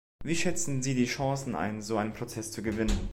Wie schätzen Sie die Chancen ein, so einen Prozess zu gewinnen?